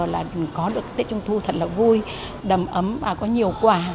là có được tết trung thu thật là vui đầm ấm và có nhiều quà